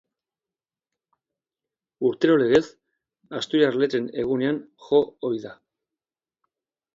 Urtero legez Asturiar Letren Egunean jo ohi da.